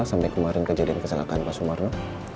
sampai kemarin kejadian kecelakaan pak sumarno